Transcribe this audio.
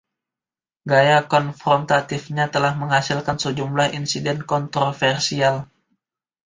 Gaya konfrontatifnya telah menghasilkan sejumlah insiden kontroversial